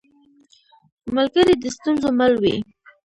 ملګری د ستونزو مل وي